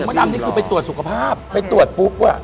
ไม่อันนี้คือไปตรวจสุขภาพไปตรวจปุ๊บอะ